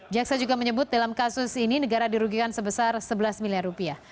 jaksa juga menyebut dalam kasus ini negara dirugikan sebesar sebelas miliar rupiah